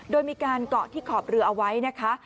โดยมีการเกาะที่ขอบเรือเอาไว้นะคะ